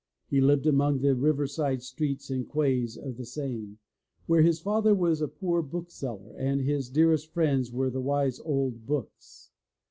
He lived among the riverside streets and quays of the Seine, where his father was a poor book seller, and his dearest friends were the wise old books.